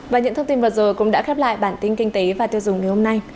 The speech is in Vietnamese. và những thông tin vừa rồi cũng đã khép lại bản tin kinh tế và tiêu dùng ngày hôm nay